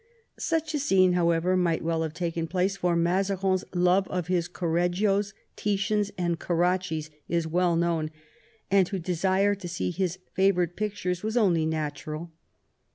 Such a scene, however, might well have taken place, for Mazarin's love of his Correggios, Titians, and Caraccis is well known, and to desire to see his favourite pictures was only natural.